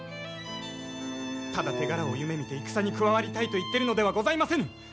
ただ手柄を夢みて戦に加わりたいと言ってるのではございませぬ！